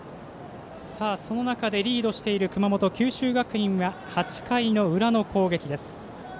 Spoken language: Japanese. その中でリードしている熊本、九州学院が８回の裏の攻撃です。